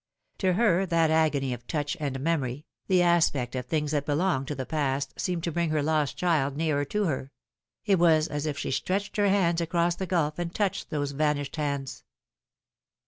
To her that agony of touch and memory, the aspect of things that belonged to the past, seemed to bring her lost child nearer to her it was as if she stretched her hands across the gulf and touched those vanished hands.